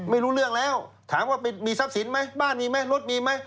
ไม่รู้เรื่องแล้วถามว่ามีทรัพย์สินไหมบ้านมีไหมรถมีไหม